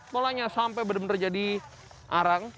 polanya sampai bener bener jadi arang